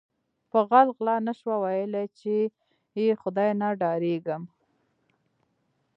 په غل غلا نشوه ویل یی چې ی خدای نه ډاریږم